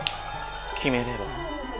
きめれば？